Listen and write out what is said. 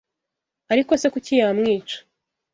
Ariko se kuki yamwica?